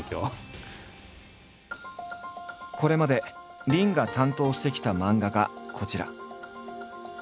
これまで林が担当してきた漫画がこちら。